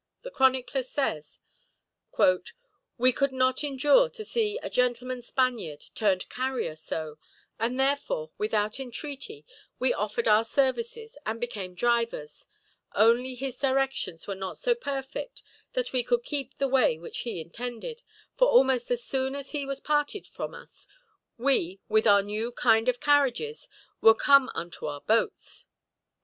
The chronicler says: "We could not endure to see a gentleman Spaniard turned carrier so; and therefore, without entreaty, we offered our services, and became drivers; only his directions were not so perfect that we could keep the way which he intended, for almost as soon as he was parted from us we, with our new kind of carriages, were come unto our boats."